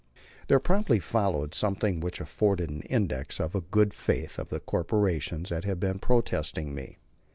There promptly followed something which afforded an index of the good faith of the corporations that had been protesting to me.